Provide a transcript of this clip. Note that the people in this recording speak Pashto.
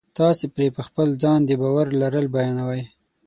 تاسې پرې په خپل ځان د باور لرل بیانوئ